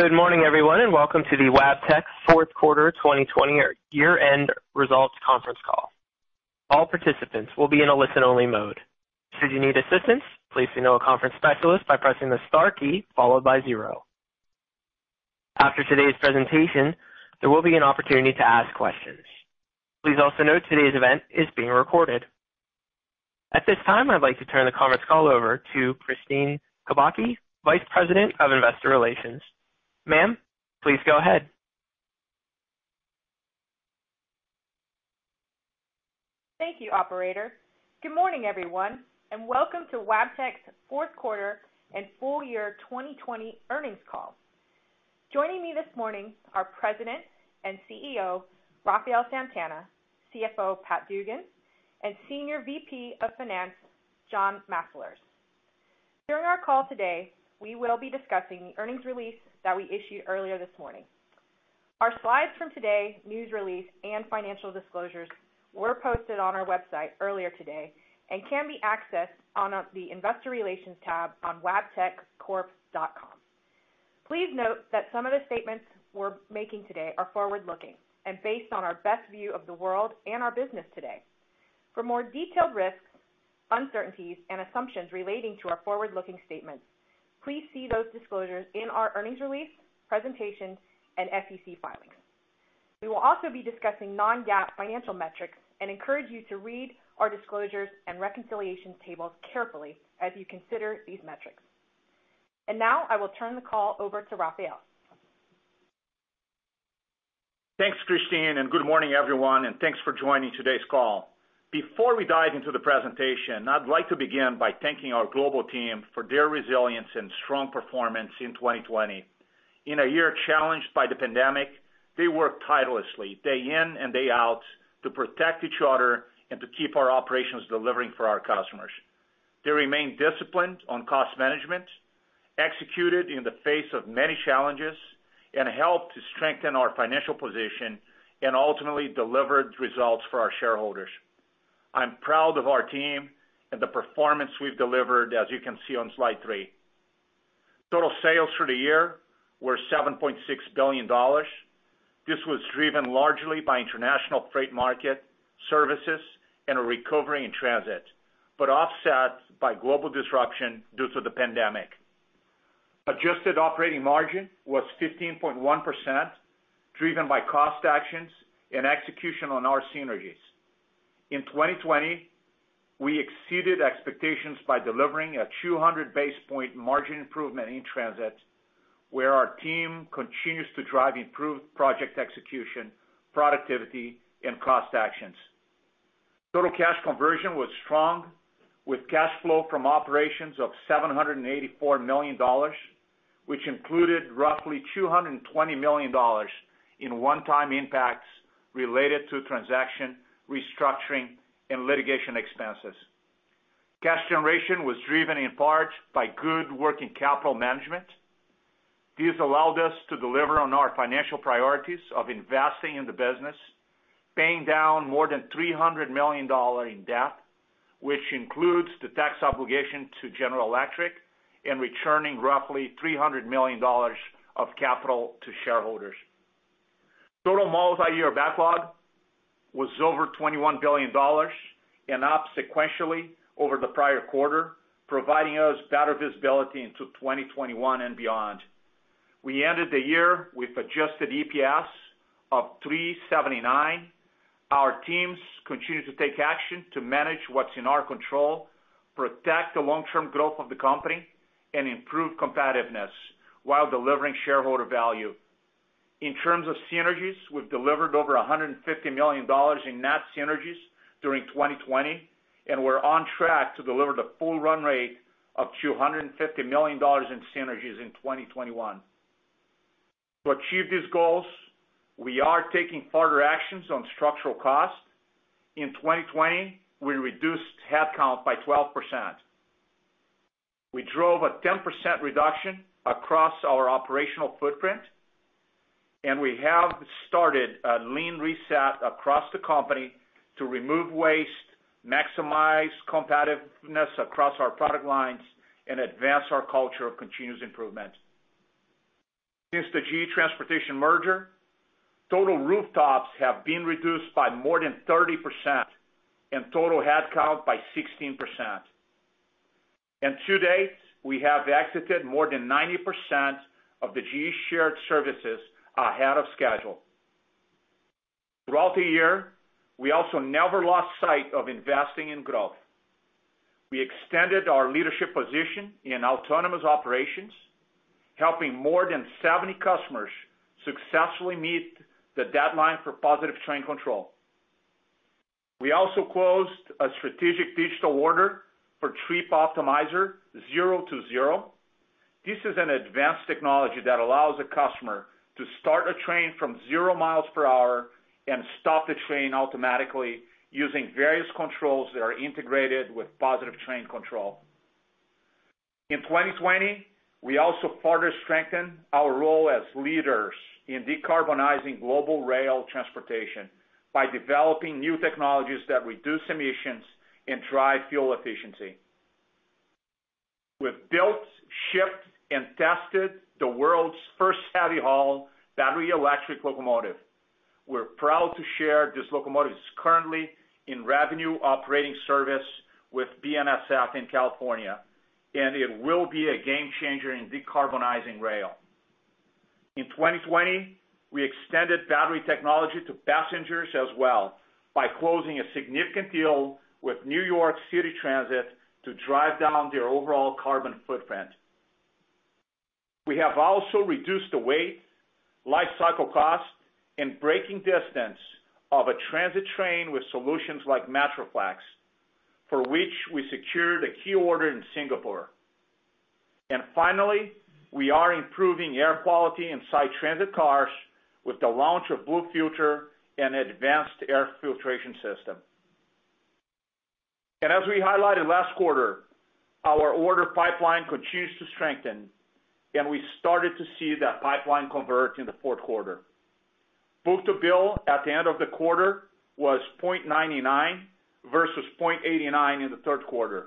Good morning, everyone, and welcome to the Wabtec fourth quarter 2020, or year-end results, conference call. All participants will be in a listen-only mode. Should you need assistance, please email a conference specialist by pressing the star key followed by zero. After today's presentation, there will be an opportunity to ask questions. Please also note today's event is being recorded. At this time, I'd like to turn the conference call over to Kristine Kubacki, Vice President of Investor Relations. Ma'am, please go ahead. Thank you, Operator. Good morning, everyone, and welcome to Wabtec's fourth quarter and full year 2020 earnings call. Joining me this morning are President and CEO Rafael Santana, CFO Pat Dugan, and Senior VP of Finance John Mastalerz. During our call today, we will be discussing the earnings release that we issued earlier this morning. Our slides from today, news release, and financial disclosures were posted on our website earlier today and can be accessed on the Investor Relations tab on wabtec.com. Please note that some of the statements we're making today are forward-looking and based on our best view of the world and our business today. For more detailed risks, uncertainties, and assumptions relating to our forward-looking statements, please see those disclosures in our earnings release, presentation, and SEC filings. We will also be discussing non-GAAP financial metrics and encourage you to read our disclosures and reconciliation tables carefully as you consider these metrics, and now I will turn the call over to Rafael. Thanks, Kristine, and good morning, everyone, and thanks for joining today's call. Before we dive into the presentation, I'd like to begin by thanking our global team for their resilience and strong performance in 2020. In a year challenged by the pandemic, they worked tirelessly, day in and day out, to protect each other and to keep our operations delivering for our customers. They remained disciplined on cost management, executed in the face of many challenges, and helped to strengthen our financial position and ultimately delivered results for our shareholders. I'm proud of our team and the performance we've delivered, as you can see on slide three. Total sales for the year were $7.6 billion. This was driven largely by international trade market services and a recovery in transit, but offset by global disruption due to the pandemic. Adjusted operating margin was 15.1%, driven by cost actions and execution on our synergies. In 2020, we exceeded expectations by delivering a 200 basis point margin improvement in transit, where our team continues to drive improved project execution, productivity, and cost actions. Total cash conversion was strong, with cash flow from operations of $784 million, which included roughly $220 million in one-time impacts related to transaction restructuring and litigation expenses. Cash generation was driven in part by good working capital management. These allowed us to deliver on our financial priorities of investing in the business, paying down more than $300 million in debt, which includes the tax obligation to General Electric and returning roughly $300 million of capital to shareholders. Total multi-year backlog was over $21 billion and up sequentially over the prior quarter, providing us better visibility into 2021 and beyond. We ended the year with Adjusted EPS of $3.79. Our teams continue to take action to manage what's in our control, protect the long-term growth of the company, and improve competitiveness while delivering shareholder value. In terms of synergies, we've delivered over $150 million in net synergies during 2020, and we're on track to deliver the full run rate of $250 million in synergies in 2021. To achieve these goals, we are taking further actions on structural cost. In 2020, we reduced headcount by 12%. We drove a 10% reduction across our operational footprint, and we have started a Lean Reset across the company to remove waste, maximize competitiveness across our product lines, and advance our culture of continuous improvement. Since the GE Transportation merger, total rooftops have been reduced by more than 30% and total headcount by 16%. To date, we have exited more than 90% of the GE shared services ahead of schedule. Throughout the year, we also never lost sight of investing in growth. We extended our leadership position in autonomous operations, helping more than 70 customers successfully meet the deadline for Positive Train Control. We also closed a strategic digital order for Trip Optimizer Zero-to-Zero. This is an advanced technology that allows a customer to start a train from zero miles per hour and stop the train automatically using various controls that are integrated with Positive Train Control. In 2020, we also further strengthened our role as leaders in decarbonizing global rail transportation by developing new technologies that reduce emissions and drive fuel efficiency. We've built, shipped, and tested the world's first heavy-haul battery electric locomotive. We're proud to share this locomotive is currently in revenue operating service with BNSF in California, and it will be a game changer in decarbonizing rail. In 2020, we extended battery technology to passengers as well by closing a significant deal with New York City Transit to drive down their overall carbon footprint. We have also reduced the weight, life cycle cost, and braking distance of a transit train with solutions like Metroflexx, for which we secured a key order in Singapore. And finally, we are improving air quality inside transit cars with the launch of BlueFilter and an advanced air filtration system. And as we highlighted last quarter, our order pipeline continues to strengthen, and we started to see that pipeline convert in the fourth quarter. Book-to-Bill at the end of the quarter was 0.99 versus 0.89 in the third quarter,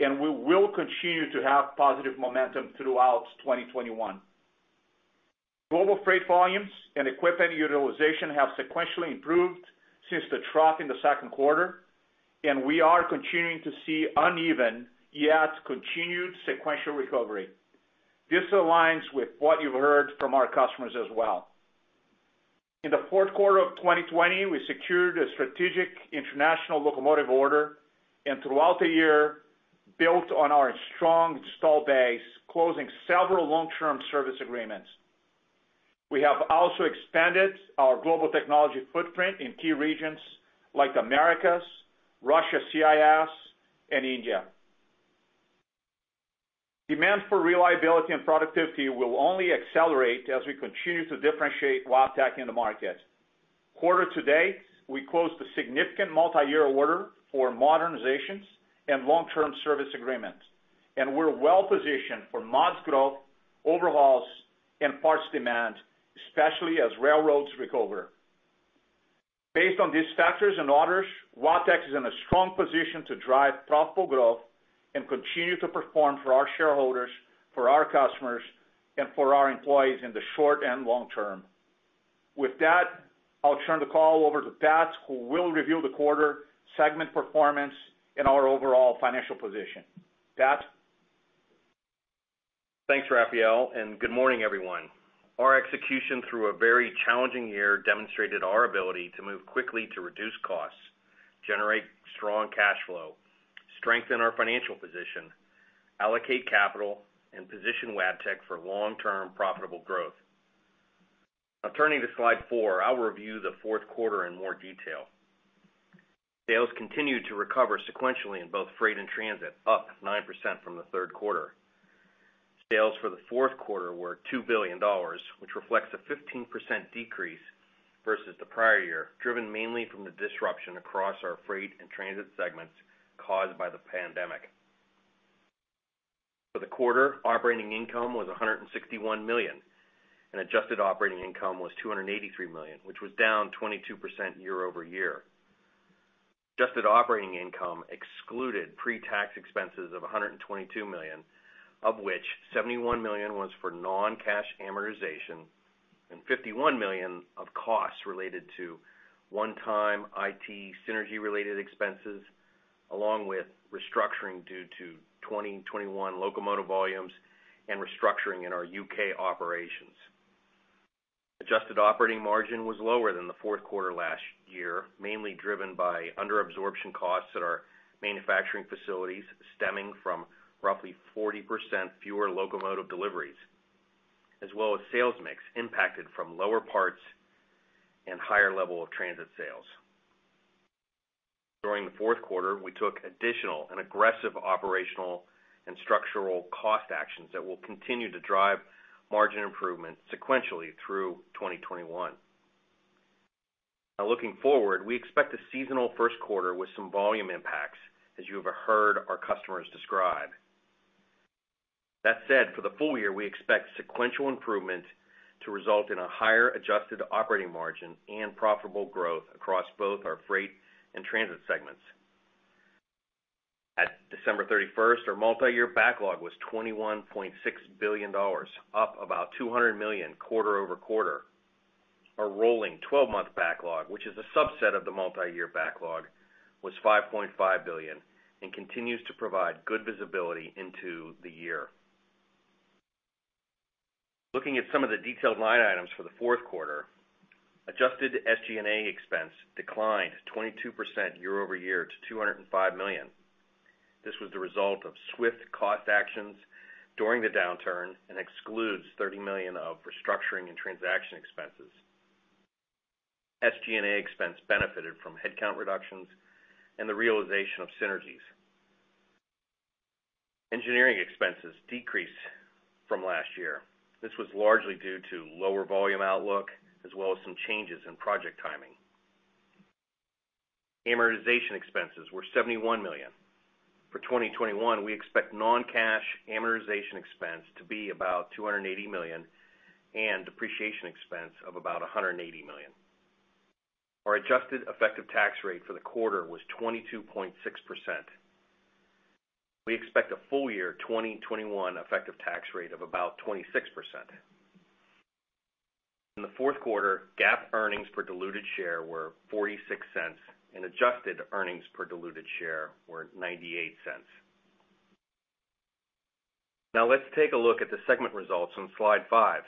and we will continue to have positive momentum throughout 2021. Global freight volumes and equipment utilization have sequentially improved since the trough in the second quarter, and we are continuing to see uneven yet continued sequential recovery. This aligns with what you've heard from our customers as well. In the fourth quarter of 2020, we secured a strategic international locomotive order and throughout the year built on our strong installed base, closing several long-term service agreements. We have also expanded our global technology footprint in key regions like the Americas, Russia, CIS, and India. Demand for reliability and productivity will only accelerate as we continue to differentiate while attacking the market. Quarter to date, we closed a significant multi-year order for modernizations and long-term service agreements, and we're well-positioned for modest growth, overhauls, and parts demand, especially as railroads recover. Based on these factors and orders, Wabtec is in a strong position to drive profitable growth and continue to perform for our shareholders, for our customers, and for our employees in the short and long term. With that, I'll turn the call over to Pat, who will review the quarter segment performance and our overall financial position. Pat. Thanks, Rafael, and good morning, everyone. Our execution through a very challenging year demonstrated our ability to move quickly to reduce costs, generate strong cash flow, strengthen our financial position, allocate capital, and position Wabtec for long-term profitable growth. Now, turning to Slide 4, I'll review the fourth quarter in more detail. Sales continued to recover sequentially in both freight and transit, up 9% from the third quarter. Sales for the fourth quarter were $2 billion, which reflects a 15% decrease versus the prior year, driven mainly from the disruption across our freight and transit segments caused by the pandemic. For the quarter, operating income was $161 million, and adjusted operating income was $283 million, which was down 22% year-over-year. Adjusted operating income excluded pre-tax expenses of $122 million, of which $71 million was for non-cash amortization and $51 million of costs related to one-time IT synergy-related expenses, along with restructuring due to 2021 locomotive volumes and restructuring in our U.K. operations. Adjusted operating margin was lower than the fourth quarter last year, mainly driven by under-absorption costs at our manufacturing facilities, stemming from roughly 40% fewer locomotive deliveries, as well as sales mix impacted from lower parts and higher level of transit sales. During the fourth quarter, we took additional and aggressive operational and structural cost actions that will continue to drive margin improvement sequentially through 2021. Now, looking forward, we expect a seasonal 1st quarter with some volume impacts, as you've heard our customers describe. That said, for the full year, we expect sequential improvement to result in a higher adjusted operating margin and profitable growth across both our freight and transit segments. At December 31st, our multi-year backlog was $21.6 billion, up about $200 million quarter-over-quarter. Our rolling 12-month backlog, which is a subset of the multi-year backlog, was $5.5 billion and continues to provide good visibility into the year. Looking at some of the detailed line items for the fourth quarter, adjusted SG&A expense declined 22% year-over-year to $205 million. This was the result of swift cost actions during the downturn and excludes $30 million of restructuring and transaction expenses. SG&A expense benefited from headcount reductions and the realization of synergies. Engineering expenses decreased from last year. This was largely due to lower volume outlook as well as some changes in project timing. Amortization expenses were $71 million. For 2021, we expect non-cash amortization expense to be about $280 million and depreciation expense of about $180 million. Our adjusted effective tax rate for the quarter was 22.6%. We expect a full year 2021 effective tax rate of about 26%. In the fourth quarter, GAAP earnings per diluted share were $0.46, and adjusted earnings per diluted share were $0.98. Now, let's take a look at the segment results on slide five.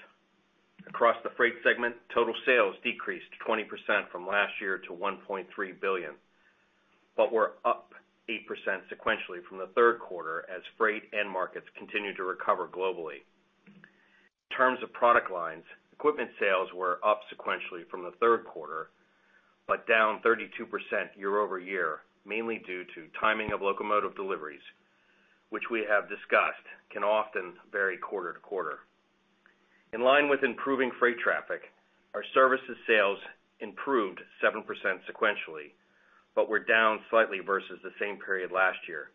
Across the freight segment, total sales decreased 20% from last year to $1.3 billion, but were up 8% sequentially from the third quarter as freight and markets continued to recover globally. In terms of product lines, equipment sales were up sequentially from the third quarter, but down 32% year-over-year, mainly due to timing of locomotive deliveries, which we have discussed can often vary quarter-to-quarter. In line with improving freight traffic, our services sales improved 7% sequentially, but were down slightly versus the same period last year.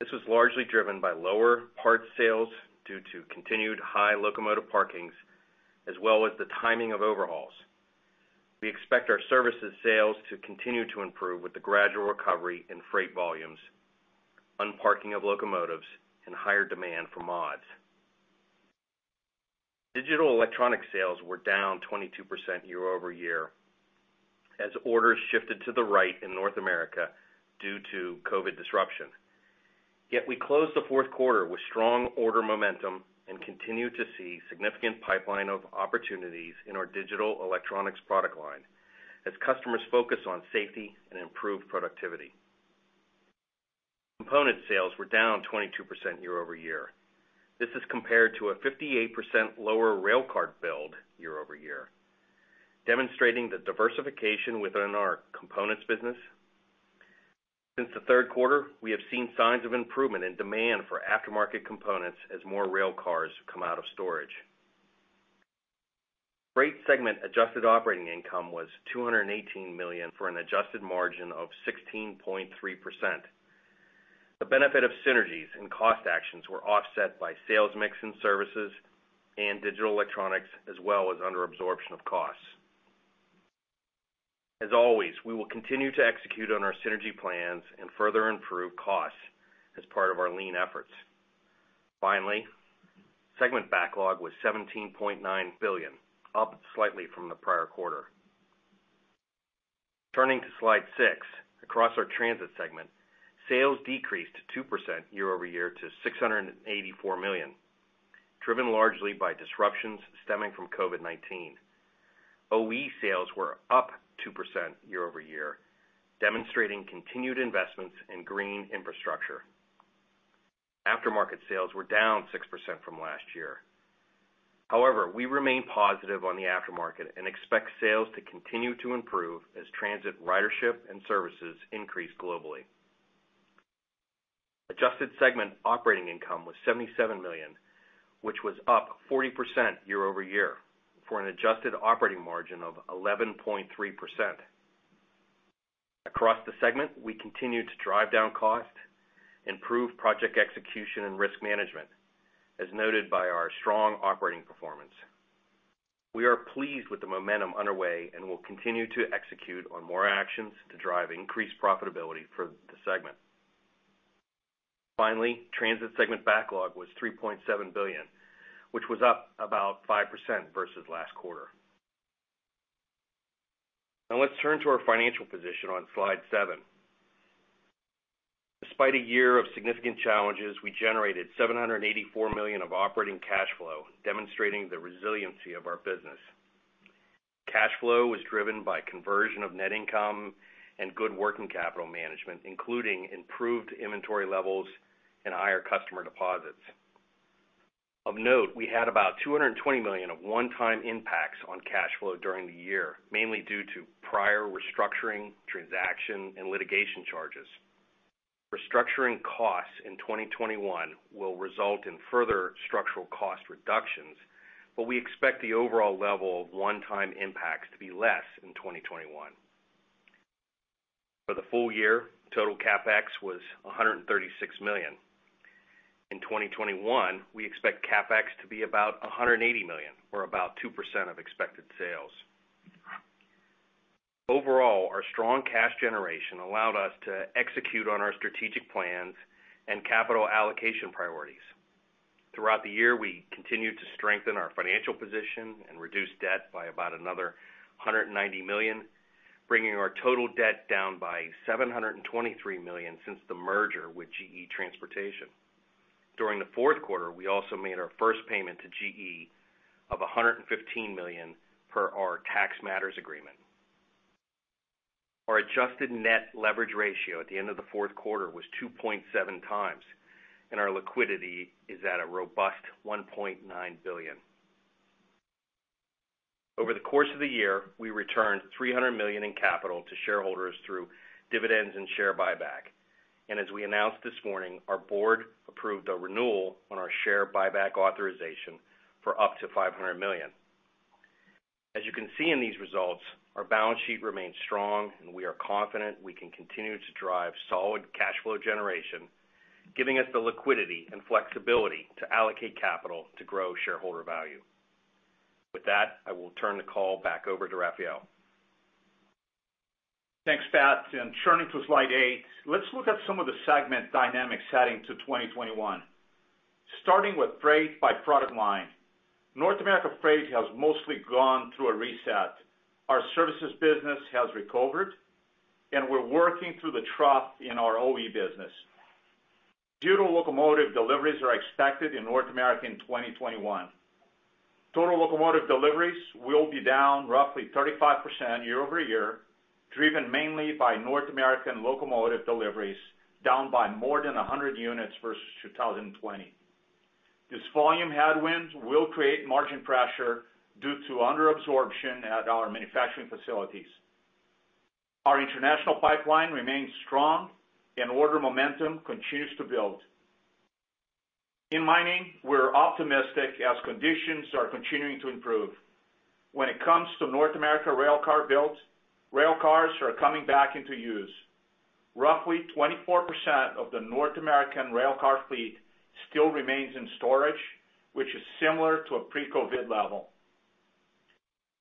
This was largely driven by lower parts sales due to continued high locomotive parkings, as well as the timing of overhauls. We expect our services sales to continue to improve with the gradual recovery in freight volumes, unparking of locomotives, and higher demand for mods. Digital electronics sales were down 22% year-over-year as orders shifted to the right in North America due to COVID disruption. Yet we closed the fourth quarter with strong order momentum and continue to see significant pipeline of opportunities in our digital electronics product line as customers focus on safety and improved productivity. Component sales were down 22% year-over-year. This is compared to a 58% lower railcar build year-over-year, demonstrating the diversification within our components business. Since the third quarter, we have seen signs of improvement in demand for aftermarket components as more rail cars come out of storage. Freight segment adjusted operating income was $218 million for an adjusted margin of 16.3%. The benefit of synergies and cost actions were offset by sales mix and services and digital electronics, as well as under-absorption of costs. As always, we will continue to execute on our synergy plans and further improve costs as part of our lean efforts. Finally, segment backlog was $17.9 billion, up slightly from the prior quarter. Turning to Slide6, across our transit segment, sales decreased 2% year-over-year to $684 million, driven largely by disruptions stemming from COVID-19. OE sales were up 2% year-over-year, demonstrating continued investments in green infrastructure. Aftermarket sales were down 6% from last year. However, we remain positive on the aftermarket and expect sales to continue to improve as transit ridership and services increase globally. Adjusted segment operating income was $77 million, which was up 40% year-over-year for an adjusted operating margin of 11.3%. Across the segment, we continue to drive down cost, improve project execution, and risk management, as noted by our strong operating performance. We are pleased with the momentum underway and will continue to execute on more actions to drive increased profitability for the segment. Finally, transit segment backlog was $3.7 billion, which was up about 5% versus last quarter. Now, let's turn to our financial position on slide seven. Despite a year of significant challenges, we generated $784 million of operating cash flow, demonstrating the resiliency of our business. Cash flow was driven by conversion of net income and good working capital management, including improved inventory levels and higher customer deposits. Of note, we had about $220 million of one-time impacts on cash flow during the year, mainly due to prior restructuring, transaction, and litigation charges. Restructuring costs in 2021 will result in further structural cost reductions, but we expect the overall level of one-time impacts to be less in 2021. For the full year, total CapEx was $136 million. In 2021, we expect CapEx to be about $180 million, or about 2% of expected sales. Overall, our strong cash generation allowed us to execute on our strategic plans and capital allocation priorities. Throughout the year, we continued to strengthen our financial position and reduce debt by about another $190 million, bringing our total debt down by $723 million since the merger with GE Transportation. During the fourth quarter, we also made our first payment to GE of $115 million per our tax matters agreement. Our adjusted net leverage ratio at the end of the fourth quarter was 2.7x, and our liquidity is at a robust $1.9 billion. Over the course of the year, we returned $300 million in capital to shareholders through dividends and share buyback. And as we announced this morning, our board approved a renewal on our share buyback authorization for up to $500 million. As you can see in these results, our balance sheet remains strong, and we are confident we can continue to drive solid cash flow generation, giving us the liquidity and flexibility to allocate capital to grow shareholder value. With that, I will turn the call back over to Rafael. Thanks, Pat. And turning to Slide 8, let's look at some of the segment dynamics adding to 2021. Starting with freight by product line, North America freight has mostly gone through a reset. Our services business has recovered, and we're working through the trough in our OE business. Due to locomotive deliveries are expected in North America in 2021, total locomotive deliveries will be down roughly 35% year-over-year, driven mainly by North American locomotive deliveries, down by more than 100 units versus 2020. This volume headwind will create margin pressure due to under-absorption at our manufacturing facilities. Our international pipeline remains strong, and order momentum continues to build. In mining, we're optimistic as conditions are continuing to improve. When it comes to North America rail car builds, rail cars are coming back into use. Roughly 24% of the North American rail car fleet still remains in storage, which is similar to a pre-COVID level.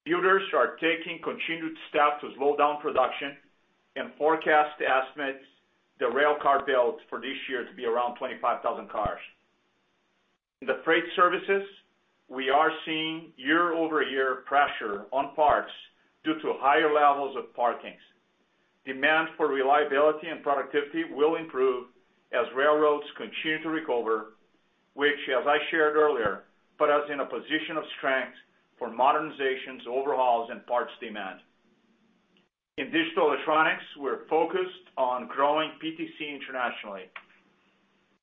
Builders are taking continued steps to slow down production, and forecasters estimate the rail car builds for this year to be around 25,000 cars. In the freight services, we are seeing year-over-year pressure on parts due to higher levels of parked cars. Demand for reliability and productivity will improve as railroads continue to recover, which, as I shared earlier, puts us in a position of strength for modernizations, overhauls, and parts demand. In digital electronics, we're focused on growing PTC internationally.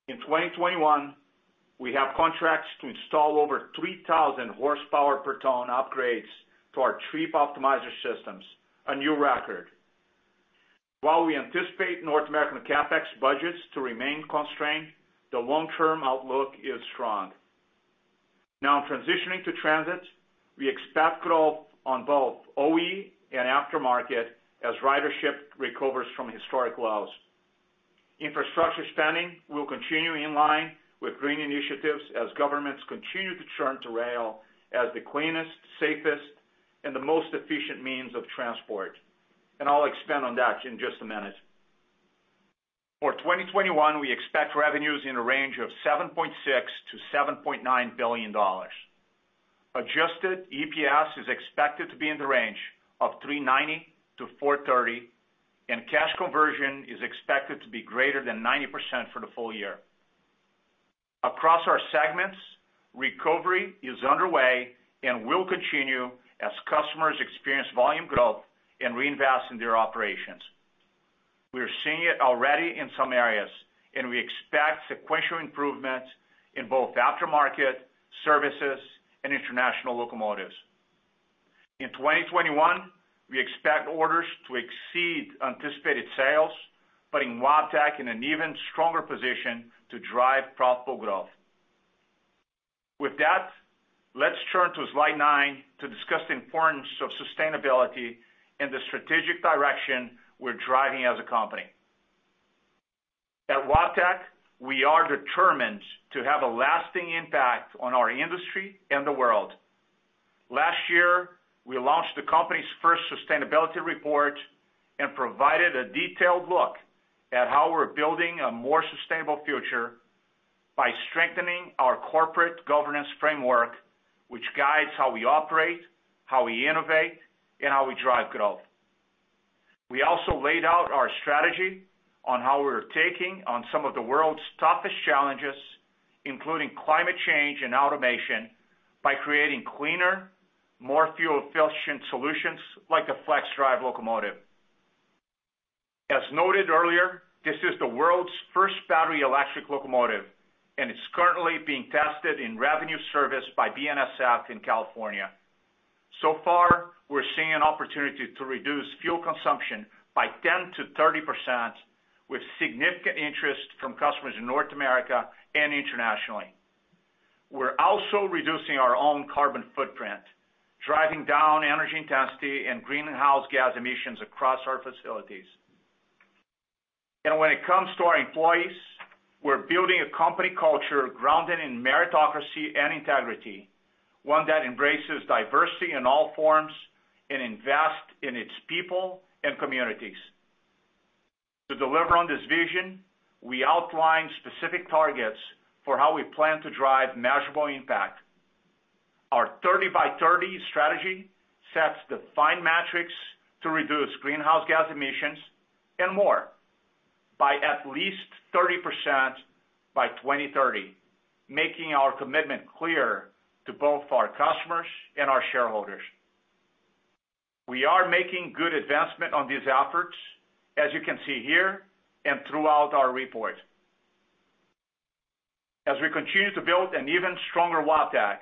In 2021, we have contracts to install over 3,000 horsepower per ton upgrades to our Trip Optimizer systems, a new record. While we anticipate North American CapEx budgets to remain constrained, the long-term outlook is strong. Now, transitioning to transit, we expect growth on both OE and aftermarket as ridership recovers from historic lows. Infrastructure spending will continue in line with green initiatives as governments continue to turn to rail as the cleanest, safest, and the most efficient means of transport, and I'll expand on that in just a minute. For 2021, we expect revenues in a range of $7.6 billion-$7.9 billion. Adjusted EPS is expected to be in the $3.90-$4.30, and cash conversion is expected to be greater than 90% for the full year. Across our segments, recovery is underway and will continue as customers experience volume growth and reinvest in their operations. We are seeing it already in some areas, and we expect sequential improvements in both aftermarket, services, and international locomotives. In 2021, we expect orders to exceed anticipated sales, putting Wabtec in an even stronger position to drive profitable growth. With that, let's turn to slide nine to discuss the importance of sustainability and the strategic direction we're driving as a company. At Wabtec, we are determined to have a lasting impact on our industry and the world. Last year, we launched the company's first sustainability report and provided a detailed look at how we're building a more sustainable future by strengthening our corporate governance framework, which guides how we operate, how we innovate, and how we drive growth. We also laid out our strategy on how we're taking on some of the world's toughest challenges, including climate change and automation, by creating cleaner, more fuel-efficient solutions like the FLXdrive locomotive. As noted earlier, this is the world's first battery electric locomotive, and it's currently being tested in revenue service by BNSF in California, so far, we're seeing an opportunity to reduce fuel consumption by 10%-30%, with significant interest from customers in North America and internationally. We're also reducing our own carbon footprint, driving down energy intensity and greenhouse gas emissions across our facilities, and when it comes to our employees, we're building a company culture grounded in meritocracy and integrity, one that embraces diversity in all forms and invests in its people and communities. To deliver on this vision, we outlined specific targets for how we plan to drive measurable impact. Our 30 by 30 strategy sets defined metrics to reduce greenhouse gas emissions and more by at least 30% by 2030, making our commitment clear to both our customers and our shareholders. We are making good advancement on these efforts, as you can see here and throughout our report. As we continue to build an even stronger Wabtec,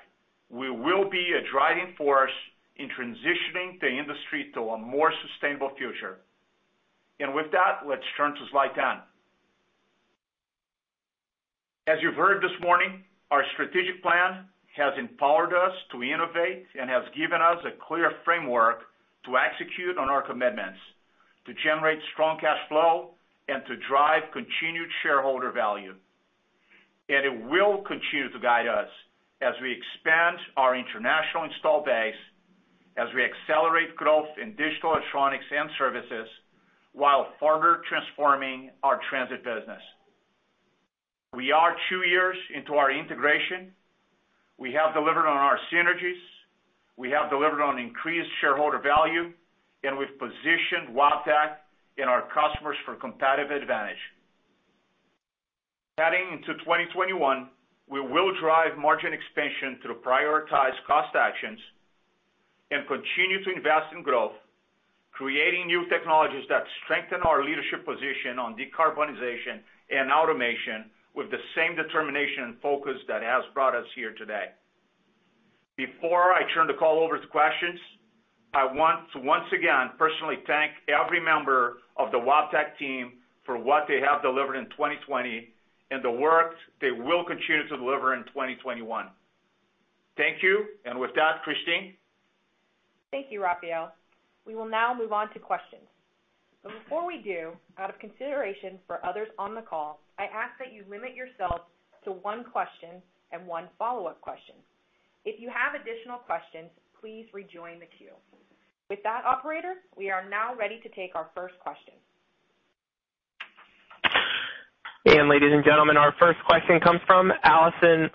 we will be a driving force in transitioning the industry to a more sustainable future. And with that, let's turn to Slide 10. As you've heard this morning, our strategic plan has empowered us to innovate and has given us a clear framework to execute on our commitments to generate strong cash flow and to drive continued shareholder value. And it will continue to guide us as we expand our international install base, as we accelerate growth in digital electronics and services while further transforming our transit business. We are two years into our integration. We have delivered on our synergies. We have delivered on increased shareholder value, and we've positioned Wabtec and our customers for competitive advantage. Heading into 2021, we will drive margin expansion to prioritize cost actions and continue to invest in growth, creating new technologies that strengthen our leadership position on decarbonization and automation with the same determination and focus that has brought us here today. Before I turn the call over to questions, I want to once again personally thank every member of the Wabtec team for what they have delivered in 2020 and the work they will continue to deliver in 2021. Thank you. And with that, Kristine. Thank you, Rafael. We will now move on to questions. But before we do, out of consideration for others on the call, I ask that you limit yourselves to one question and one follow-up question. If you have additional questions, please rejoin the queue. With that, operator, we are now ready to take our first question. Ladies and gentlemen, our first question comes from Allison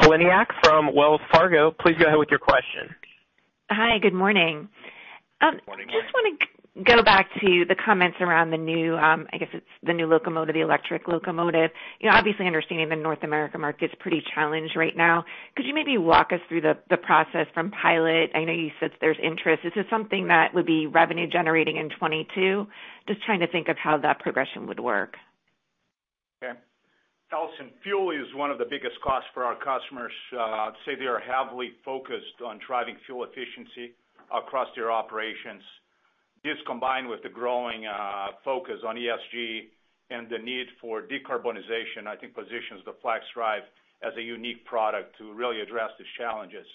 Poliniak from Wells Fargo. Please go ahead with your question. Hi, good morning. Good morning. I just want to go back to the comments around the new, I guess it's the new locomotive, the electric locomotive. Obviously, understanding the North America market is pretty challenged right now. Could you maybe walk us through the process from pilot? I know you said there's interest. Is this something that would be revenue-generating in 2022? Just trying to think of how that progression would work. Okay. Allison, fuel is one of the biggest costs for our customers. I'd say they are heavily focused on driving fuel efficiency across their operations. This, combined with the growing focus on ESG and the need for decarbonization, I think positions the FLXdrive as a unique product to really address these challenges.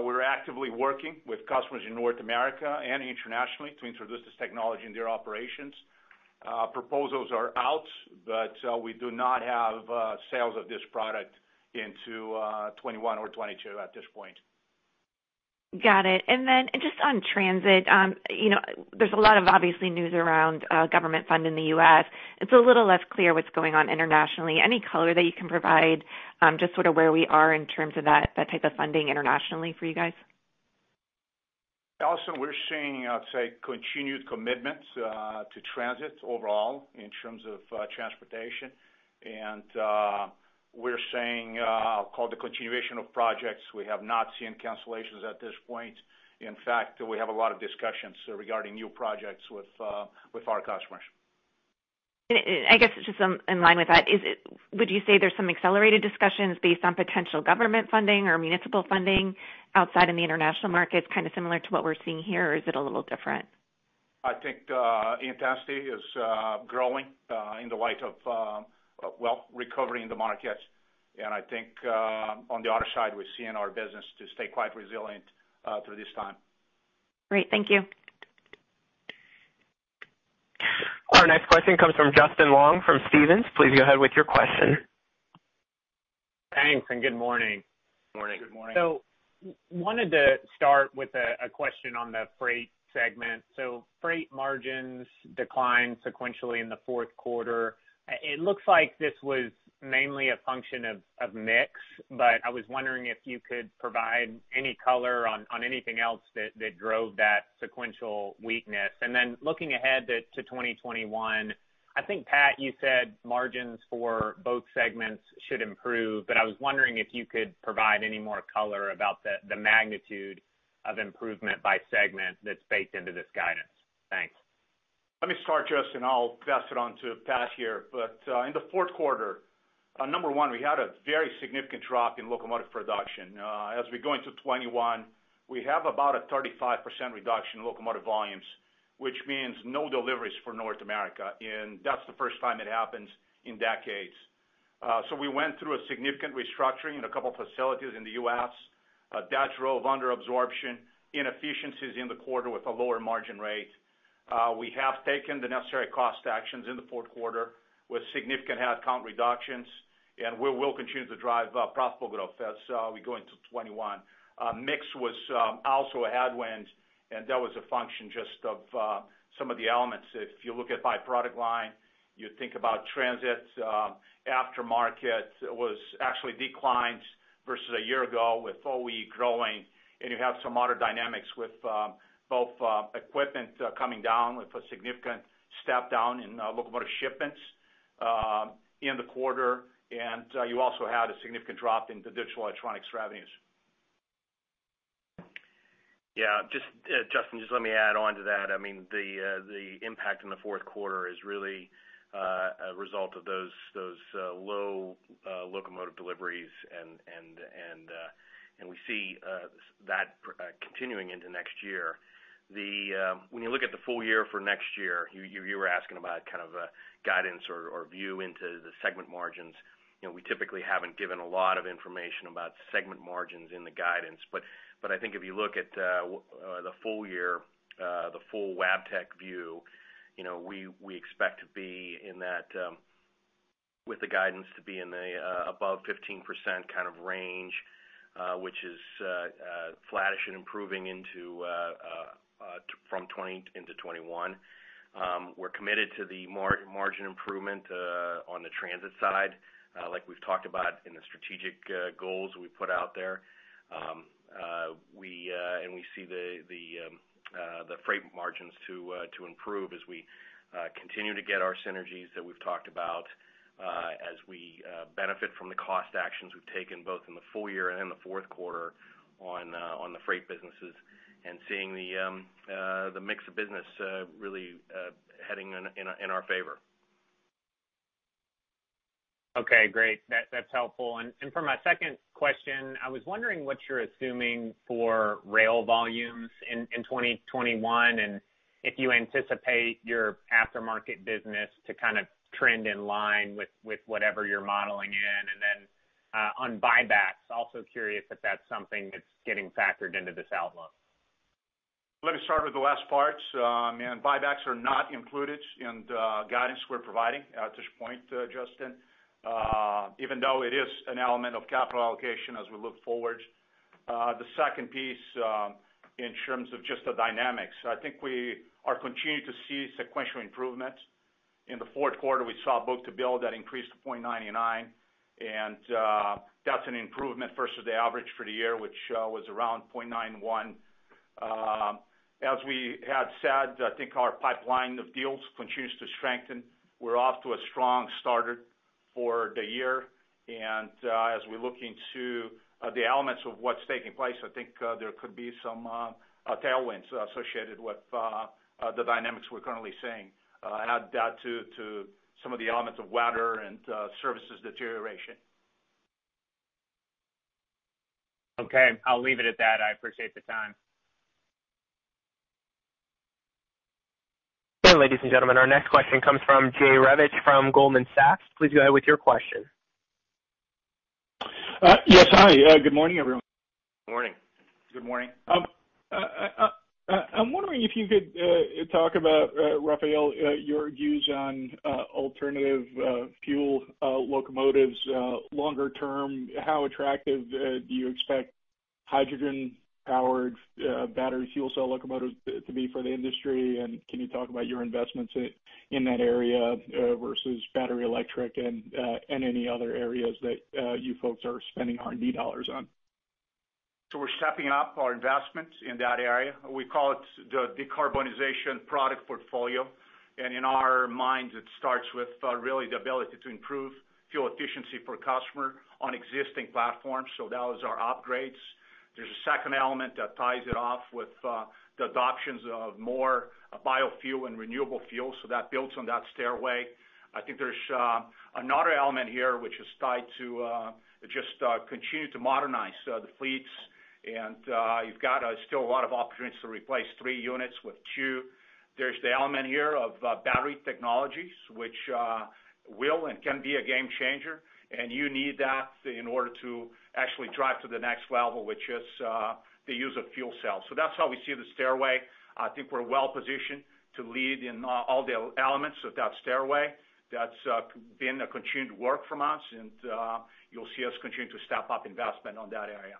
We're actively working with customers in North America and internationally to introduce this technology in their operations. Proposals are out, but we do not have sales of this product in 2021 or 2022 at this point. Got it. And then just on transit, there's a lot of obviously news around government funding in the U.S. It's a little less clear what's going on internationally. Any color that you can provide just sort of where we are in terms of that type of funding internationally for you guys? Allison, we're seeing, I'd say, continued commitments to transit overall in terms of transportation, and we're seeing called the continuation of projects. We have not seen cancellations at this point. In fact, we have a lot of discussions regarding new projects with our customers. I guess just in line with that, would you say there's some accelerated discussions based on potential government funding or municipal funding outside of the international markets, kind of similar to what we're seeing here, or is it a little different? I think intensity is growing in the light of, well, recovering the markets, and I think on the other side, we're seeing our business to stay quite resilient through this time. Great. Thank you. Our next question comes from Justin Long from Stephens. Please go ahead with your question. Thanks, and good morning. Good morning. Wanted to start with a question on the freight segment. Freight margins declined sequentially in the fourth quarter. It looks like this was mainly a function of mix, but I was wondering if you could provide any color on anything else that drove that sequential weakness? Looking ahead to 2021, I think, Pat, you said margins for both segments should improve, but I was wondering if you could provide any more color about the magnitude of improvement by segment that's baked into this guidance? Thanks. Let me start, Justin, and I'll pass it on to Pat here. But in the fourth quarter, number one, we had a very significant drop in locomotive production. As we go into 2021, we have about a 35% reduction in locomotive volumes, which means no deliveries for North America. And that's the first time it happens in decades. So we went through a significant restructuring in a couple of facilities in the U.S. That drove under-absorption, inefficiencies in the quarter with a lower margin rate. We have taken the necessary cost actions in the fourth quarter with significant headcount reductions, and we will continue to drive profitable growth as we go into 2021. Mix was also a headwind, and that was a function just of some of the elements. If you look at by product line, you think about transit, aftermarket was actually declined versus a year ago with OE growing, and you have some other dynamics with both equipment coming down with a significant step down in locomotive shipments in the quarter. And you also had a significant drop in the digital electronics revenues. Yeah. Justin, just let me add on to that. I mean, the impact in the fourth quarter is really a result of those low locomotive deliveries, and we see that continuing into next year. When you look at the full year for next year, you were asking about kind of a guidance or view into the segment margins. We typically haven't given a lot of information about segment margins in the guidance. But I think if you look at the full year, the full Wabtec view, we expect to be in that with the guidance to be in the above 15% kind of range, which is flattish and improving from 2020 into 2021. We're committed to the margin improvement on the transit side, like we've talked about in the strategic goals we put out there. We see the freight margins to improve as we continue to get our synergies that we've talked about, as we benefit from the cost actions we've taken both in the full year and in the fourth quarter on the freight businesses and seeing the mix of business really heading in our favor. Okay. Great. That's helpful. And for my second question, I was wondering what you're assuming for rail volumes in 2021 and if you anticipate your aftermarket business to kind of trend in line with whatever you're modeling in. And then on buybacks, also curious if that's something that's getting factored into this outlook. Let me start with the last part. Buybacks are not included in the guidance we're providing at this point, Justin, even though it is an element of capital allocation as we look forward. The second piece in terms of just the dynamics, I think we are continuing to see sequential improvements. In the fourth quarter, we saw book-to-bill that increased to 0.99, and that's an improvement versus the average for the year, which was around 0.91. As we had said, I think our pipeline of deals continues to strengthen. We're off to a strong start for the year, and as we look into the elements of what's taking place, I think there could be some tailwinds associated with the dynamics we're currently seeing add that to some of the elements of weather and services deterioration. Okay. I'll leave it at that. I appreciate the time. Ladies and gentlemen, our next question comes from Jerry Revich from Goldman Sachs. Please go ahead with your question. Yes. Hi. Good morning, everyone. Morning. Good morning. I'm wondering if you could talk about, Rafael, your views on alternative fuel locomotives longer term? How attractive do you expect hydrogen-powered battery fuel cell locomotives to be for the industry? And can you talk about your investments in that area versus battery electric and any other areas that you folks are spending R&D dollars on? So we're stepping up our investments in that area. We call it the decarbonization product portfolio. And in our minds, it starts with really the ability to improve fuel efficiency for customers on existing platforms. So that was our upgrades. There's a second element that ties it off with the adoptions of more biofuel and renewable fuel. So that builds on that stairway. I think there's another element here, which is tied to just continue to modernize the fleets. And you've got still a lot of opportunities to replace three units with two. There's the element here of battery technologies, which will and can be a game changer. And you need that in order to actually drive to the next level, which is the use of fuel cells. So that's how we see the stairway. I think we're well positioned to lead in all the elements of that stairway. That's been a continued work from us, and you'll see us continue to step up investment on that area.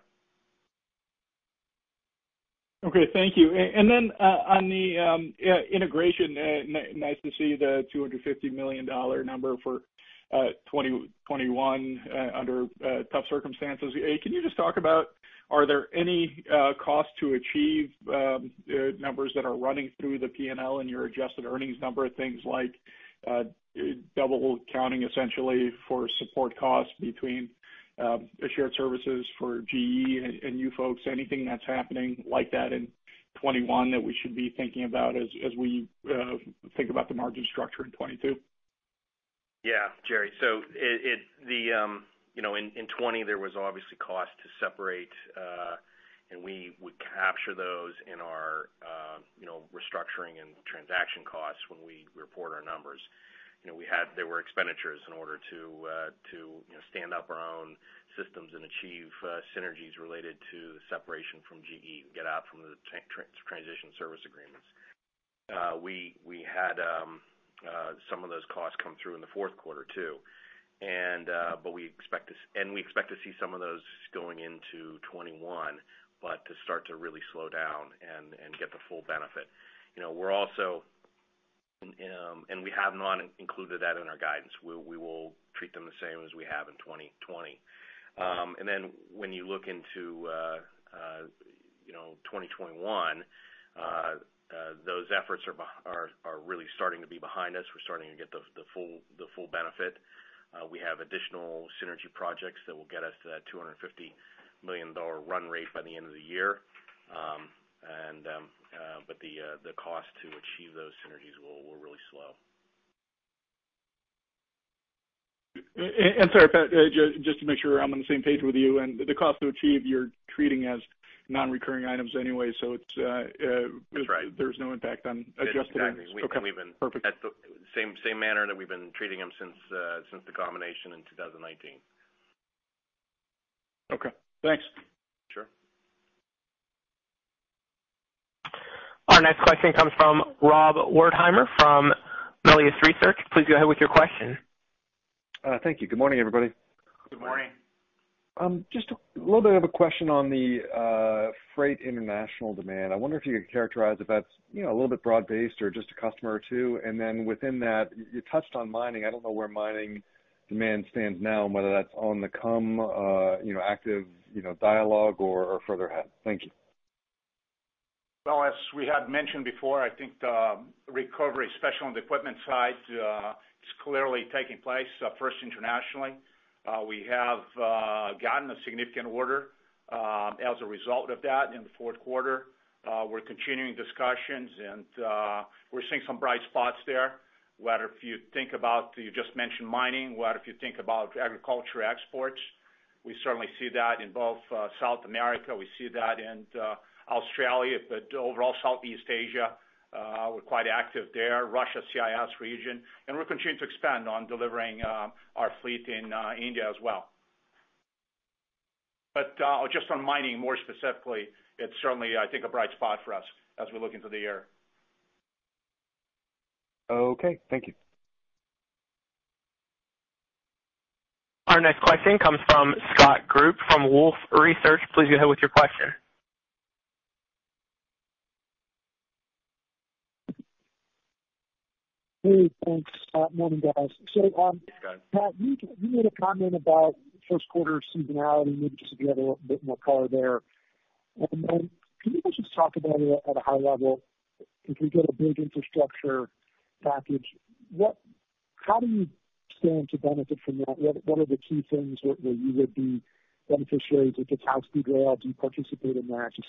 Okay. Thank you. And then on the integration, nice to see the $250 million number for 2021 under tough circumstances. Can you just talk about are there any costs to achieve numbers that are running through the P&L and your adjusted earnings number, things like double counting essentially for support costs between assured services for GE and you folks, anything that's happening like that in 2021 that we should be thinking about as we think about the margin structure in 2022? Yeah, Jerry. So in 2020, there was obviously cost to separate, and we would capture those in our restructuring and transaction costs when we report our numbers. There were expenditures in order to stand up our own systems and achieve synergies related to the separation from GE and get out from the transition service agreements. We had some of those costs come through in the fourth quarter too. And we expect to see some of those going into 2021, but to start to really slow down and get the full benefit. And we have not included that in our guidance. We will treat them the same as we have in 2020. And then when you look into 2021, those efforts are really starting to be behind us. We're starting to get the full benefit. We have additional synergy projects that will get us to that $250 million run rate by the end of the year, but the cost to achieve those synergies will really slow. Sorry, Pat, just to make sure I'm on the same page with you. The cost to achieve, you're treating as non-recurring items anyway, so there's no impact on adjusted earnings. Exactly. We've been. That's the same manner that we've been treating them since the combination in 2019. Okay. Thanks. Sure. Our next question comes from Rob Wertheimer from Melius Research. Please go ahead with your question. Thank you. Good morning, everybody. Good morning. Just a little bit of a question on the freight international demand. I wonder if you could characterize if that's a little bit broad-based or just a customer or two, and then within that, you touched on mining. I don't know where mining demand stands now and whether that's on the come, active dialogue, or further ahead. Thank you. As we had mentioned before, I think the recovery, especially on the equipment side, is clearly taking place first internationally. We have gotten a significant order as a result of that in the fourth quarter. We're continuing discussions, and we're seeing some bright spots there. Whether if you think about you just mentioned mining. Whether if you think about agriculture exports, we certainly see that in both South America. We see that in Australia, but overall Southeast Asia, we're quite active there, Russia, CIS region. And we're continuing to expand on delivering our fleet in India as well. But just on mining more specifically, it's certainly, I think, a bright spot for us as we look into the year. Okay. Thank you. Our next question comes from Scott Group from Wolfe Research. Please go ahead with your question. Hey. Thanks, Scott. Morning, guys. Got it. Pat, you made a comment about first quarter seasonality, maybe just to get a little bit more color there, and then can you just talk about it at a high level? If we get a big infrastructure package, how do you stand to benefit from that? What are the key things where you would be beneficiaries? If it's high-speed rail, do you participate in that? Just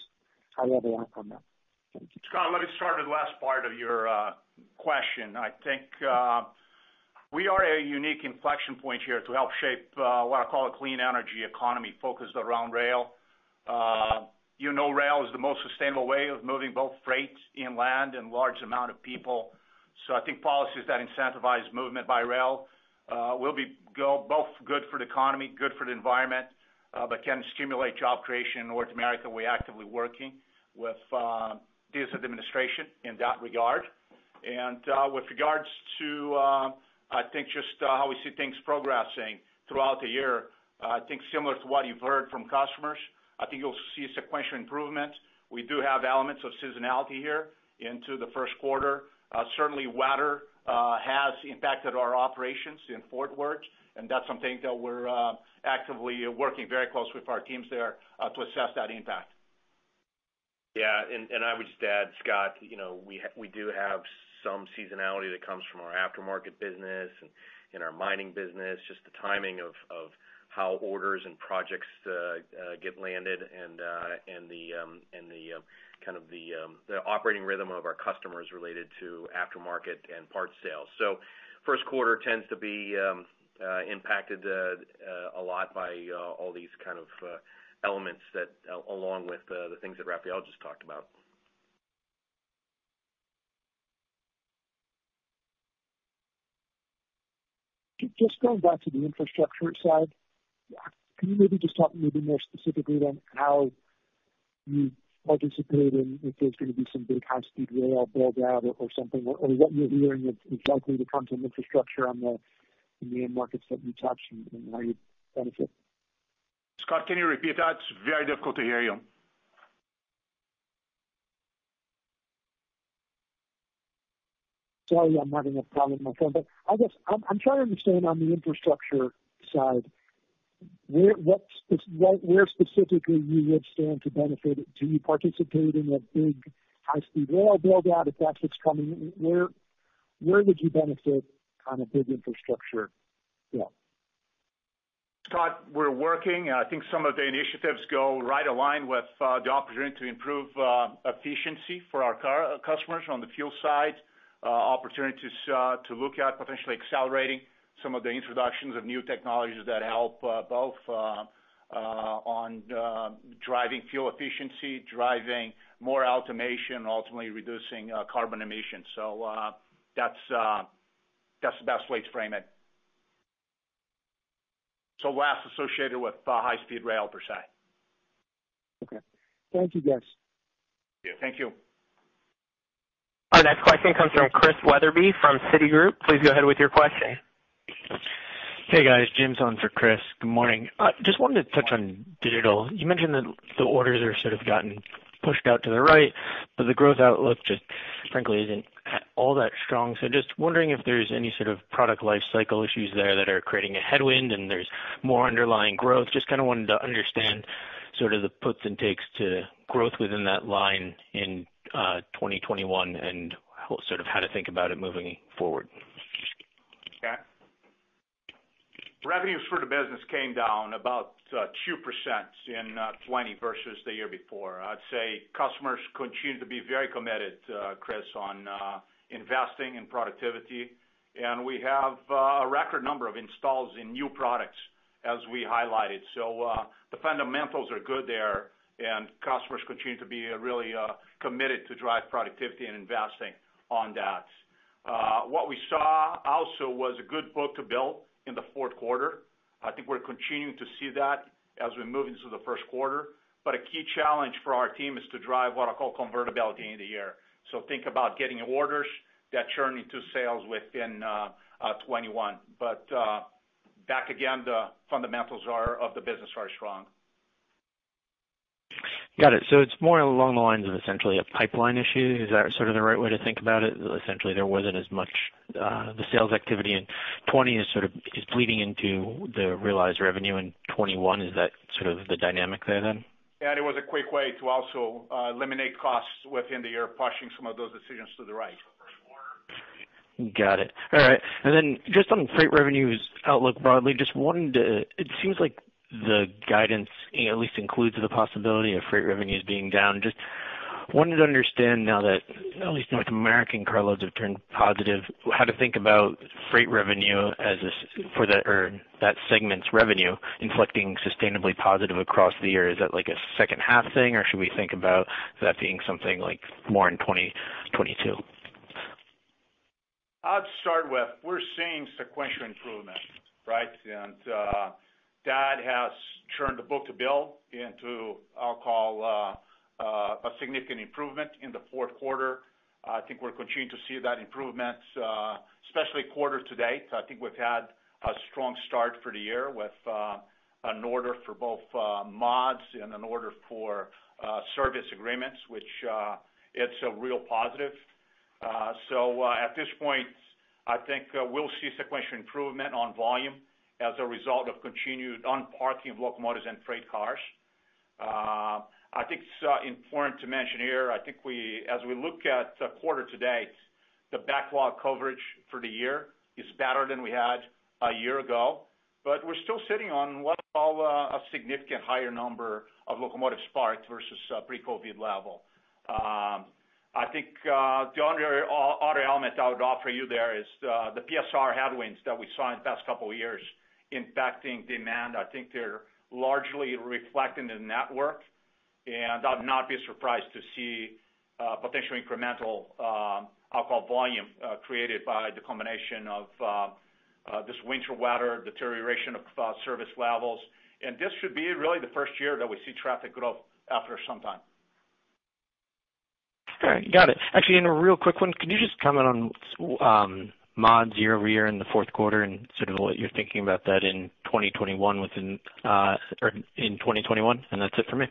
high-level outcome there. Scott, let me start with the last part of your question. I think we are at a unique inflection point here to help shape what I call a clean energy economy focused around rail. Rail is the most sustainable way of moving both freight inland and large amount of people. So I think policies that incentivize movement by rail will be both good for the economy, good for the environment, but can stimulate job creation in North America. We're actively working with this administration in that regard. And with regards to, I think, just how we see things progressing throughout the year, I think similar to what you've heard from customers, I think you'll see sequential improvements. We do have elements of seasonality here into the first quarter. Certainly, weather has impacted our operations in Fort Worth, and that's something that we're actively working very closely with our teams there to assess that impact. Yeah. And I would just add, Scott, we do have some seasonality that comes from our aftermarket business and our mining business, just the timing of how orders and projects get landed and the kind of the operating rhythm of our customers related to aftermarket and part sales. So first quarter tends to be impacted a lot by all these kind of elements along with the things that Rafael just talked about. Just going back to the infrastructure side, can you maybe just talk maybe more specifically then how you participate in if there's going to be some big high-speed rail build-out or something, or what you're hearing is likely to come from infrastructure on the main markets that you touch and how you benefit? Scott, can you repeat that? It's very difficult to hear you. Sorry, I'm having a problem with my phone, but I guess I'm trying to understand on the infrastructure side, where specifically you would stand to benefit? Do you participate in a big high-speed rail build-out if that's what's coming? Where would you benefit on a big infrastructure build? Scott, we're working. I think some of the initiatives go right aligned with the opportunity to improve efficiency for our customers on the fuel side, opportunities to look at potentially accelerating some of the introductions of new technologies that help both on driving fuel efficiency, driving more automation, and ultimately reducing carbon emissions. So that's the best way to frame it. So less associated with high-speed rail per se. Okay. Thank you, guys. Thank you. Our next question comes from Chris Weatherby from Citigroup. Please go ahead with your question. Hey, guys. James on for Chris. Good morning. Just wanted to touch on digital. You mentioned that the orders have sort of gotten pushed out to the right, but the growth outlook just frankly isn't all that strong. So just wondering if there's any sort of product life cycle issues there that are creating a headwind and there's more underlying growth. Just kind of wanted to understand sort of the puts and takes to growth within that line in 2021 and sort of how to think about it moving forward. Revenue for the business came down about 2% in 2020 versus the year before. I'd say customers continue to be very committed, Chris, on investing in productivity, and we have a record number of installs in new products, as we highlighted. So the fundamentals are good there, and customers continue to be really committed to drive productivity and investing on that. What we saw also was a good book-to-bill in the fourth quarter. I think we're continuing to see that as we move into the first quarter. But a key challenge for our team is to drive what I call convertibility in the year, so think about getting orders that turn into sales within 2021. But back again, the fundamentals of the business are strong. Got it. So it's more along the lines of essentially a pipeline issue. Is that sort of the right way to think about it? Essentially, there wasn't as much the sales activity in 2020 is sort of bleeding into the realized revenue in 2021. Is that sort of the dynamic there then? Yeah, and it was a quick way to also eliminate costs within the year of pushing some of those decisions to the right. Got it. All right. And then just on freight revenues outlook broadly, just wanted to it seems like the guidance at least includes the possibility of freight revenues being down. Just wanted to understand now that at least North American carloads have turned positive, how to think about freight revenue for that or that segment's revenue inflecting sustainably positive across the year. Is that like a second-half thing, or should we think about that being something like more in 2022? I'd start with we're seeing sequential improvement, right, and that has turned the book-to-bill into I'll call a significant improvement in the fourth quarter. I think we're continuing to see that improvement, especially quarter to date. I think we've had a strong start for the year with an order for both mods and an order for service agreements, which is a real positive. At this point, I think we'll see sequential improvement on volume as a result of continued unparking of locomotives and freight cars. It's important to mention here. As we look at quarter to date, the backlog coverage for the year is better than we had a year ago, but we're still sitting on what I'll call a significantly higher number of locomotive park versus pre-COVID level. I think the only other element I would offer you there is the PSR headwinds that we saw in the past couple of years impacting demand. I think they're largely reflecting the network, and I'd not be surprised to see potential incremental I'll call volume created by the combination of this winter weather deterioration of service levels, and this should be really the first year that we see traffic growth after some time. All right. Got it. Actually, in a real quick one, could you just comment on mods year-over-year in the fourth quarter and sort of what you're thinking about that in 2021 within or in 2021? And that's it for me.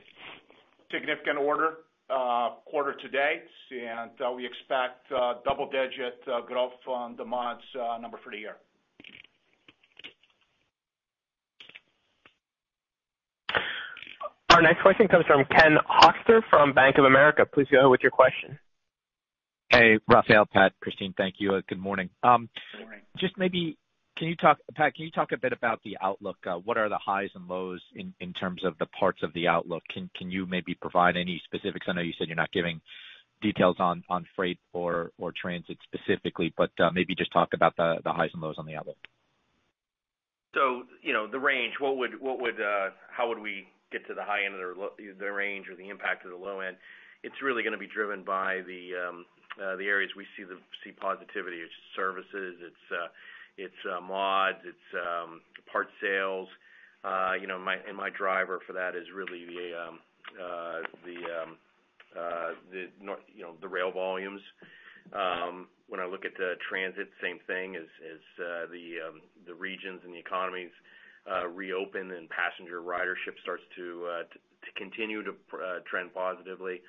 Significant order quarter to date, and we expect double-digit growth on the mods number for the year. Our next question comes from Ken Hoexter from Bank of America. Please go ahead with your question. Hey, Rafael, Pat, Kristine, thank you. Good morning. Good morning. Just maybe can you talk Pat, can you talk a bit about the outlook? What are the highs and lows in terms of the parts of the outlook? Can you maybe provide any specifics? I know you said you're not giving details on freight or transit specifically, but maybe just talk about the highs and lows on the outlook. So the range, what would, how would we get to the high end of the range or the impact of the low end? It's really going to be driven by the areas we see the positivity. It's services, it's mods, it's part sales, and my driver for that is really the rail volumes. When I look at the transit, same thing as the regions and the economies reopen and passenger ridership starts to continue to trend positively,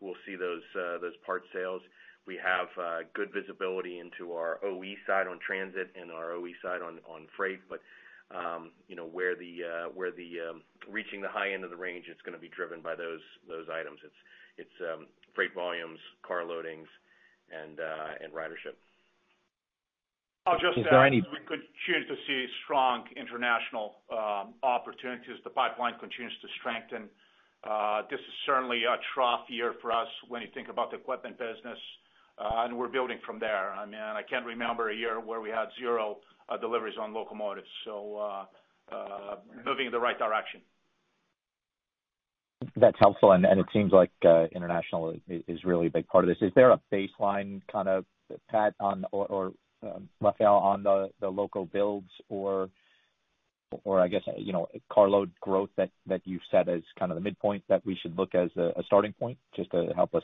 we'll see those part sales. We have good visibility into our OE side on transit and our OE side on freight, but where the reaching the high end of the range, it's going to be driven by those items. It's freight volumes, car loadings, and ridership. I'll just. Is there any? We continue to see strong international opportunities. The pipeline continues to strengthen. This is certainly a trough year for us when you think about the equipment business, and we're building from there. I mean, I can't remember a year where we had zero deliveries on locomotives. So moving in the right direction. That's helpful, and it seems like international is really a big part of this. Is there a baseline kind of, Pat, or Rafael, on the local builds or, I guess, carload growth that you've set as kind of the midpoint that we should look as a starting point just to help us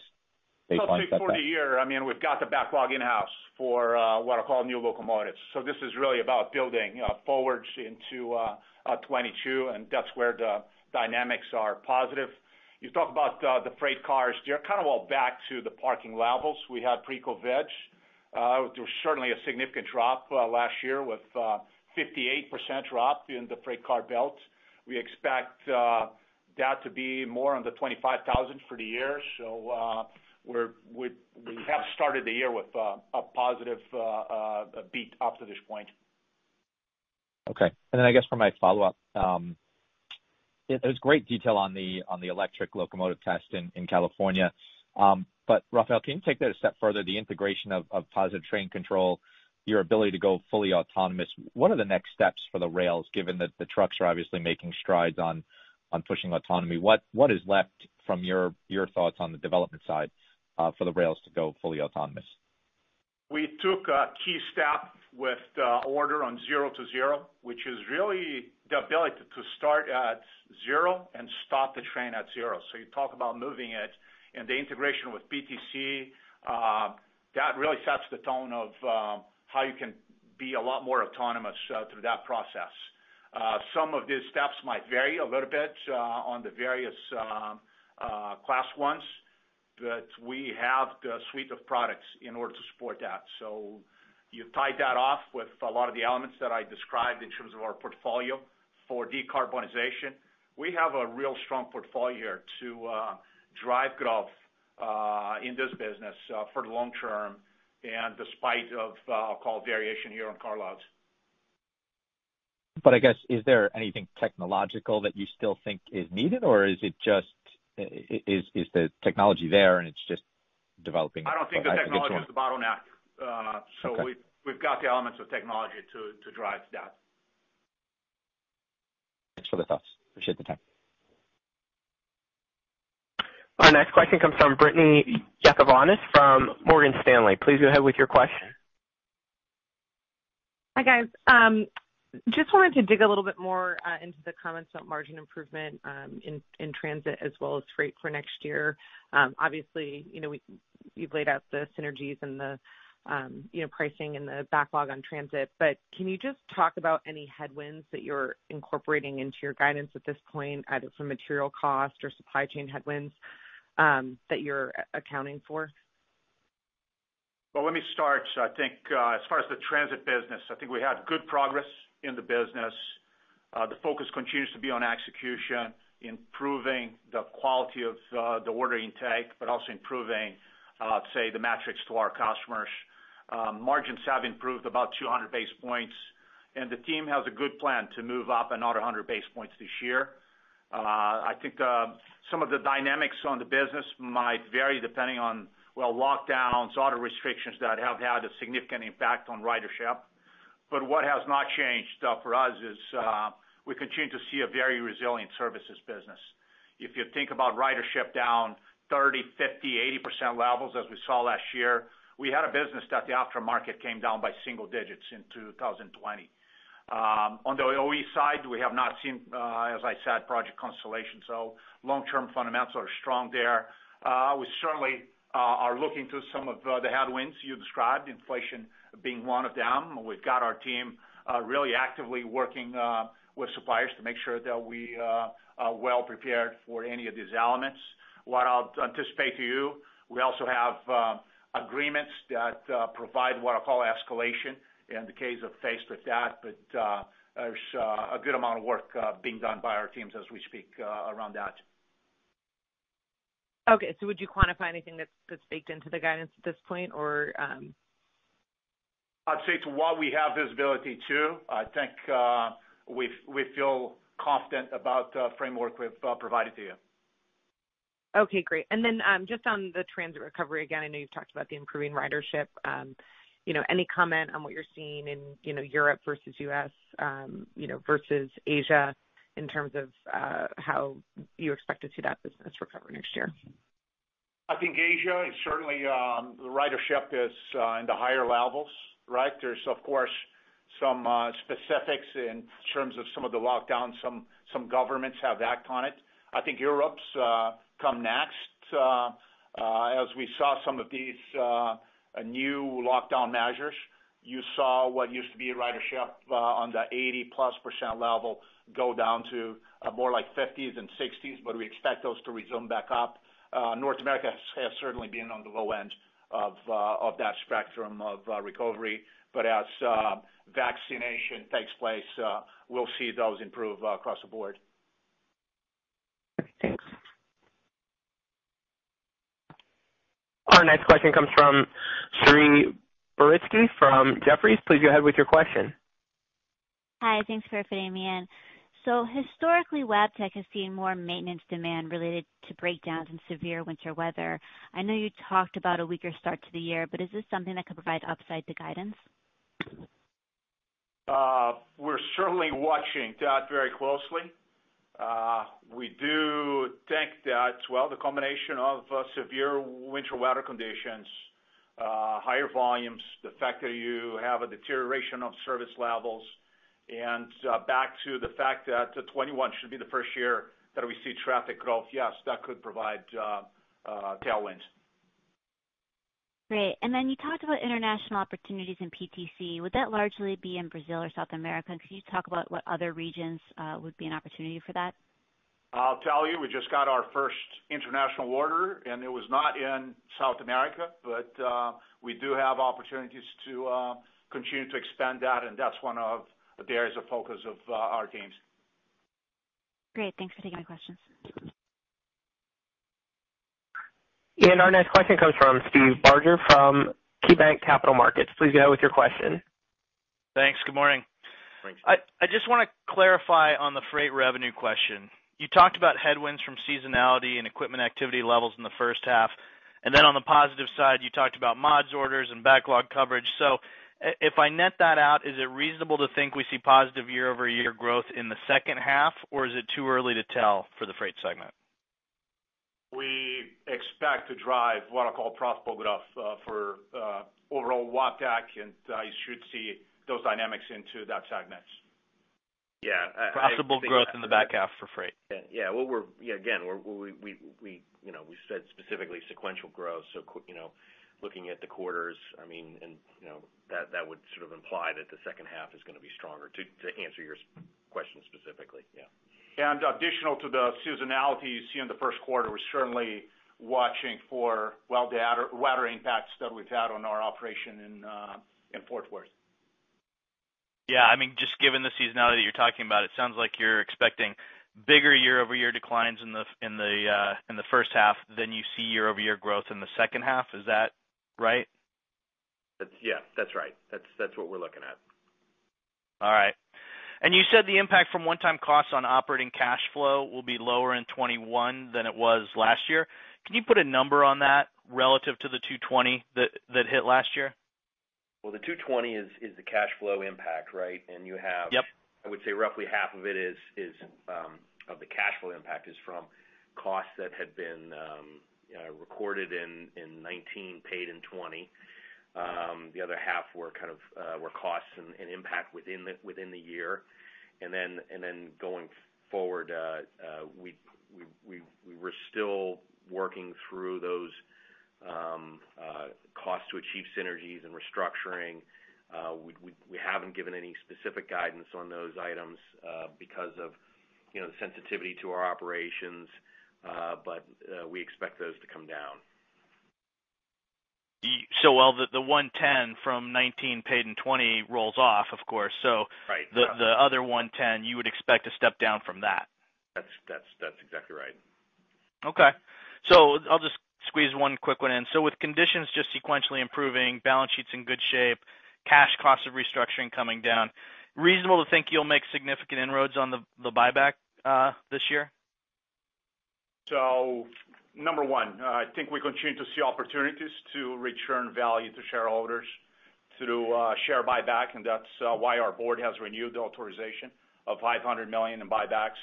baseline stuff? I think for the year, I mean, we've got the backlog in-house for what I call new locomotives. So this is really about building forwards into 2022, and that's where the dynamics are positive. You talk about the freight cars, they're kind of all back to the parking levels we had pre-COVID. There was certainly a significant drop last year with a 58% drop in the freight car build. We expect that to be more on the 25,000 for the year. So we have started the year with a positive beat up to this point. Okay. And then I guess for my follow-up, there was great detail on the electric locomotive test in California. But Rafael, can you take that a step further? The integration of Positive Train Control, your ability to go fully autonomous, what are the next steps for the rails, given that the trucks are obviously making strides on pushing autonomy? What is left from your thoughts on the development side for the rails to go fully autonomous? We took a key step with order on Zero-to-Zero, which is really the ability to start at zero and stop the train at zero. So you talk about moving it and the integration with PTC, that really sets the tone of how you can be a lot more autonomous through that process. Some of these steps might vary a little bit on the various Class Is, but we have the suite of products in order to support that. So you tie that off with a lot of the elements that I described in terms of our portfolio for decarbonization. We have a real strong portfolio here to drive growth in this business for the long term and despite of, I'll call, variation here on carloads. But I guess, is there anything technological that you still think is needed, or is it just the technology there and it's just developing? I don't think the technology is the bottleneck, so we've got the elements of technology to drive that. Thanks for the thoughts. Appreciate the time. Our next question comes from Courtney Yakavonis from Morgan Stanley. Please go ahead with your question. Hi, guys. Just wanted to dig a little bit more into the comments about margin improvement in transit as well as freight for next year. Obviously, you've laid out the synergies and the pricing and the backlog on transit, but can you just talk about any headwinds that you're incorporating into your guidance at this point, either from material cost or supply chain headwinds that you're accounting for? Let me start. I think as far as the transit business, I think we had good progress in the business. The focus continues to be on execution, improving the quality of the order intake, but also improving, I'd say, the metrics to our customers. Margins have improved about 200 basis points, and the team has a good plan to move up another 100 basis points this year. I think some of the dynamics on the business might vary depending on, well, lockdowns, other restrictions that have had a significant impact on ridership. But what has not changed for us is we continue to see a very resilient services business. If you think about ridership down 30%, 50%, 80% levels as we saw last year, we had a business that the aftermarket came down by single digits in 2020. On the OE side, we have not seen, as I said, project cancellations. So long-term fundamentals are strong there. We certainly are looking to some of the headwinds you described, inflation being one of them. We've got our team really actively working with suppliers to make sure that we are well prepared for any of these elements. What I'll say to you, we also have agreements that provide what I'll call escalation in the case we're faced with that, but there's a good amount of work being done by our teams as we speak around that. Okay. So would you quantify anything that's baked into the guidance at this point, or? I'd say to what we have visibility to. I think we feel confident about the framework we've provided to you. Okay. Great. And then just on the transit recovery, again, I know you've talked about the improving ridership. Any comment on what you're seeing in Europe versus U.S. versus Asia in terms of how you expect to see that business recover next year? I think Asia is certainly the ridership is in the higher levels, right? There's, of course, some specifics in terms of some of the lockdowns, some governments have acted on it. I think Europe's come next. As we saw some of these new lockdown measures, you saw what used to be ridership on the 80%+ level go down to more like 50s and 60s%, but we expect those to resume back up. North America has certainly been on the low end of that spectrum of recovery, but as vaccination takes place, we'll see those improve across the board. Thanks. Our next question comes from Saree Boroditsky from Jefferies. Please go ahead with your question. Hi. Thanks for fitting me in. So historically, Wabtec has seen more maintenance demand related to breakdowns in severe winter weather. I know you talked about a weaker start to the year, but is this something that could provide upside to guidance? We're certainly watching that very closely. We do think that, well, the combination of severe winter weather conditions, higher volumes, the fact that you have a deterioration of service levels, and back to the fact that 2021 should be the first year that we see traffic growth, yes, that could provide tailwinds. Great. And then you talked about international opportunities in PTC. Would that largely be in Brazil or South America? Could you talk about what other regions would be an opportunity for that? I'll tell you, we just got our first international order, and it was not in South America, but we do have opportunities to continue to expand that, and that's one of the areas of focus of our teams. Great. Thanks for taking my questions. Our next question comes from Steve Barger from KeyBanc Capital Markets. Please go ahead with your question. Thanks. Good morning. I just want to clarify on the freight revenue question. You talked about headwinds from seasonality and equipment activity levels in the first half, and then on the positive side, you talked about mods orders and backlog coverage. So if I net that out, is it reasonable to think we see positive year-over-year growth in the second half, or is it too early to tell for the freight segment? We expect to drive what I call profitable growth for overall Wabtec, and I should see those dynamics into that segment. Yeah. Possible growth in the back half for freight. Yeah. Yeah. Again, we said specifically sequential growth, so looking at the quarters, I mean, and that would sort of imply that the second half is going to be stronger to answer your question specifically. Yeah. Additional to the seasonality you see in the first quarter, we're certainly watching for, well, the weather impacts that we've had on our operation in fourth quarter. Yeah. I mean, just given the seasonality that you're talking about, it sounds like you're expecting bigger year-over-year declines in the first half than you see year-over-year growth in the second half. Is that right? Yeah. That's right. That's what we're looking at. All right. And you said the impact from one-time costs on operating cash flow will be lower in 2021 than it was last year. Can you put a number on that relative to the $220 that hit last year? The 220 is the cash flow impact, right? And you have, I would say, roughly half of it is of the cash flow impact from costs that had been recorded in 2019, paid in 2020. The other half were kind of costs and impact within the year. And then going forward, we were still working through those cost-to-achieve synergies and restructuring. We haven't given any specific guidance on those items because of the sensitivity to our operations, but we expect those to come down. So, well, the 110 from 2019 paid in 2020 rolls off, of course. So the other 110, you would expect a step down from that. That's exactly right. Okay. So I'll just squeeze one quick one in. So with conditions just sequentially improving, balance sheets in good shape, cash costs of restructuring coming down, reasonable to think you'll make significant inroads on the buyback this year? So number one, I think we continue to see opportunities to return value to shareholders through share buyback, and that's why our board has renewed the authorization of $500 million in buybacks.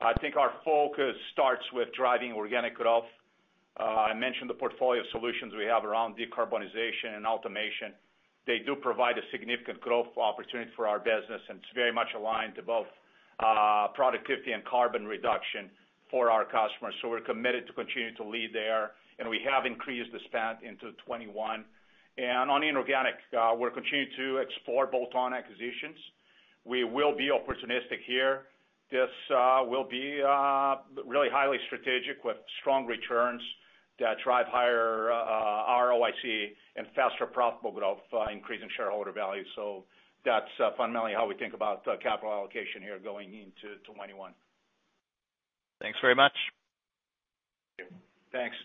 I think our focus starts with driving organic growth. I mentioned the portfolio of solutions we have around decarbonization and automation. They do provide a significant growth opportunity for our business, and it's very much aligned to both productivity and carbon reduction for our customers. So we're committed to continue to lead there, and we have increased the spend into 2021. And on inorganic, we're continuing to explore bolt-on acquisitions. We will be opportunistic here. This will be really highly strategic with strong returns that drive higher ROIC and faster profitable growth, increasing shareholder value. So that's fundamentally how we think about capital allocation here going into 2021. Thanks very much. Thank you. Thanks.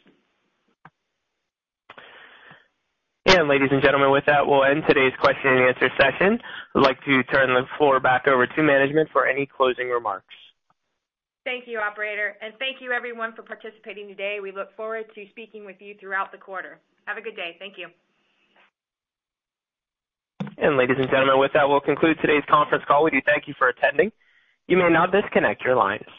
Ladies and gentlemen, with that, we'll end today's question and answer session. I'd like to turn the floor back over to management for any closing remarks. Thank you, Operator. And thank you, everyone, for participating today. We look forward to speaking with you throughout the quarter. Have a good day. Thank you. And ladies and gentlemen, with that, we'll conclude today's conference call. We do thank you for attending. You may now disconnect your lines.